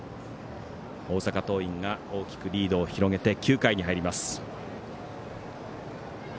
大阪桐蔭が大きくリードを広げて９回に入ります。